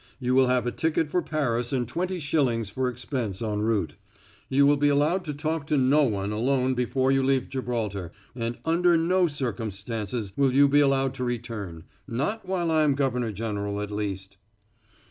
You will have a ticket for Paris and twenty shillings for expense en route. You will be allowed to talk to no one alone before you leave Gibraltar, and under no circumstances will you be allowed to return not while I am governor general, at least."